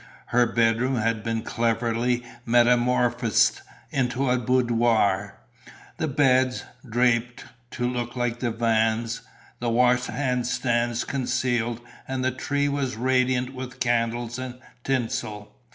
Her bedroom had been cleverly metamorphosed into a boudoir, the beds draped to look like divans, the wash hand stands concealed; and the tree was radiant with candles and tinsel.